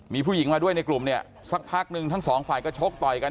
มีผู้หญิงมาด้วยในกลุ่มเนี่ยสักพักนึงทั้งสองฝ่ายก็ชกต่อยกัน